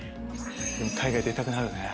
海外出たくなるね。